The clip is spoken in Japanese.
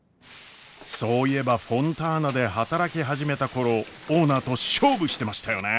そういえばフォンターナで働き始めた頃オーナーと勝負してましたよね。